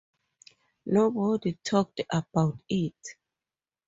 Nobody talked about it.